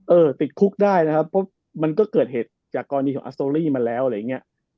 ติดคุกได้นะครับเพราะมันก็เกิดเหตุจากกรณีของอัสอรี่มาแล้วอะไรอย่างเงี้ย